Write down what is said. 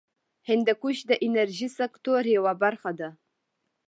هندوکش د انرژۍ سکتور یوه برخه ده.